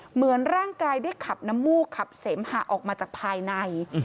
เหมือนร่างกายได้ขับน้ำมูกขับเสมหะออกมาจากภายใน